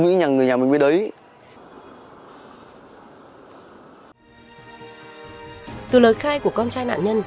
có thể nhận định hai vợ chồng ông bà lợi